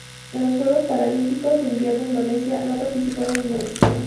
En los Juegos Paralímpicos de Invierno Indonesia no ha participado en ninguna edición.